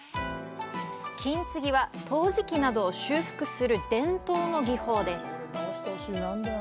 金継ぎは、陶磁器などを修復する伝統の技法です。